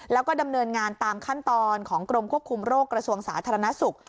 แล้วก็ดำเนินงานตามขั้นตอนของกรมควบคุมโรคกระทรวงสาธารณสุข